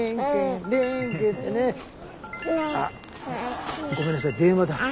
あっごめんなさい電話だ。